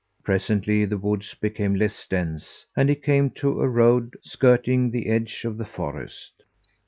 Presently the woods became less dense, and he came to a road skirting the edge of the forest.